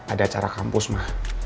ada acara kampus ma